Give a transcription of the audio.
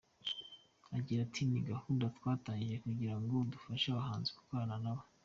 Agira ati “Ni gahunda twatangije kugira ngo dufashe abahanzi dukorana nabo.